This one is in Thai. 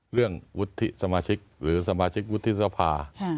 วุฒิสมาชิกหรือสมาชิกวุฒิสภา